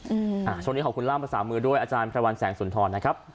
อืมอ่าช่วงนี้ขอบคุณล่ามภาษามือด้วยอาจารย์พระวันแสงสุนทรนะครับ